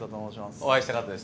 お会いしたかったです。